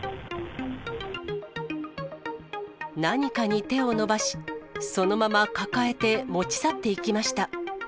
何かに手を伸ばし、そのまま抱えて持ち去っていきました。